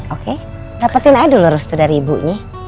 oke dapetin aja dulu restu dari ibunya